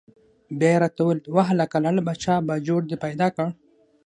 بیا یې را ته وویل: وهلکه لعل پاچا باجوړ دې پیدا کړ؟!